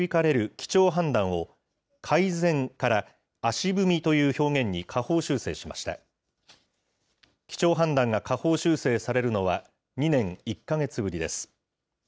基調判断が下方修正されるのは、２年１か月ぶりです。